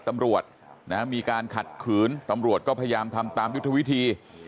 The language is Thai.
ตำรวจมีการขัดขืนตำรวจก็พยายามทำตามยุทธวิธี